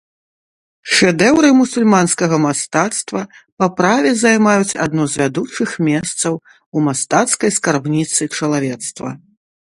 Шэдэўры мусульманскага мастацтва па праве займаюць адно з вядучых месцаў у мастацкай скарбніцы чалавецтва.